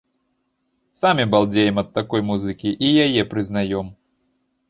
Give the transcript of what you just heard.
Самі балдзеем ад такой музыкі і яе прызнаём.